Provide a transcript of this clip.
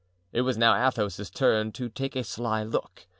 It was now Athos's turn to take a sly look.